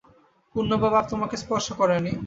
পুণ্য বা পাপ তোমাকে স্পর্শ করেনি।